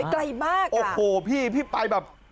ไกลมากโอ้โหพี่พี่ไปแบบ